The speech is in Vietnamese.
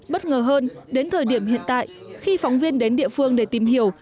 bất ngờ hơn đến thời điểm hiện tại khi phóng viên đến địa phương để tìm hiểu